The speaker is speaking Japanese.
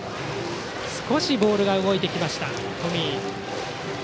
少しボールが動いてきた冨井。